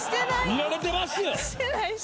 見られてますよ